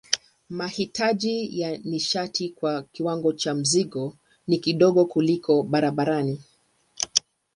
Mahitaji ya nishati kwa kiwango cha mzigo ni kidogo kuliko barabarani.